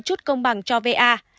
chút công bằng cho va